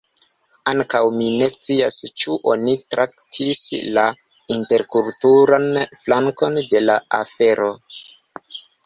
Ankaŭ mi ne scias ĉu oni traktis la interkulturan flankon de la afero.